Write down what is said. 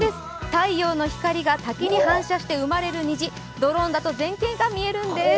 太陽の光が滝に反射して生まれる虹、ドローンだと全景が見えるんです。